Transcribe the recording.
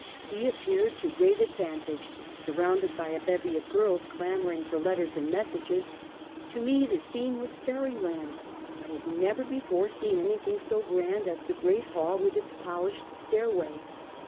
He appeared to great advantage surrounded by a bevy of girls clamoring for letters and messages. To me the scene was fairy land. I had never before seen any thing so grand as the great hall with its polished stair way.